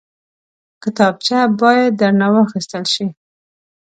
کتابچه باید درنه واخیستل شي